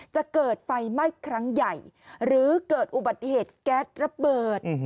จะเกิดไฟไหม้ครั้งใหญ่หรือเกิดอุบัติเหตุแก๊สระเบิด